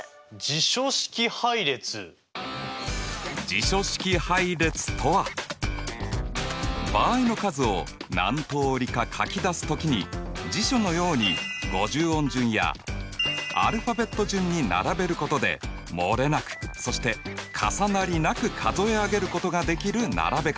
辞書式配列とは場合の数を何通りか書き出す時に辞書のように五十音順やアルファベット順に並べることで漏れなくそして重なりなく数え上げることができる並べ方。